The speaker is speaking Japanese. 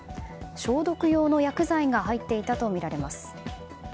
消毒用の薬剤が入っていたとみられます。